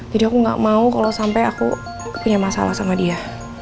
jadi aku gak mau kalau sampai aku punya masalah sama dia